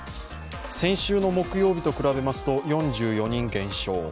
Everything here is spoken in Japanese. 先週の木曜日と比べると４４人減少。